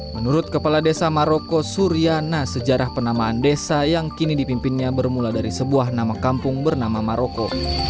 menurut kepala desa maroko suryana sejarah penamaan desa yang kini dipimpinnya bermula dari sebuah nama kampung bernama maroko